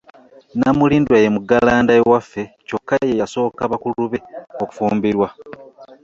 Namulindwa ye muggalanda ewaffe kyokka ye yasooka bakulu be okufumbirwa.